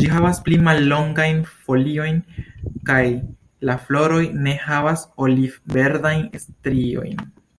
Ĝi havas pli mallongajn foliojn kaj la floroj ne havas oliv-verdajn striojn.